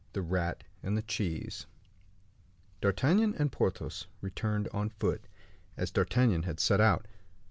The Rat and the Cheese. D'Artagnan and Porthos returned on foot, as D'Artagnan had set out.